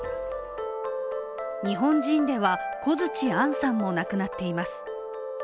日本人では小槌杏さんも亡くなっています。